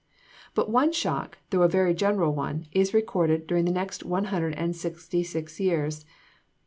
But one shock, though a very general one, is recorded during the next one hundred and sixty six years.